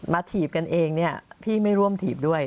ถีบกันเองเนี่ยพี่ไม่ร่วมถีบด้วย